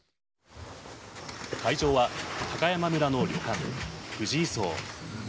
会場は高山村の旅館・藤井荘。